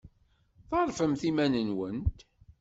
Ḍerrfemt iman-nwent.